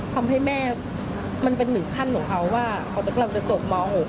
ทำให้แม่มันเป็นหนึ่งขั้นของเขาว่าเขากำลังจะจบม๖